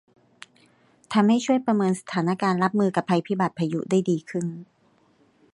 ทำให้ช่วยประเมินสถานการณ์รับมือกับภัยพิบัติพายุได้ดีขึ้น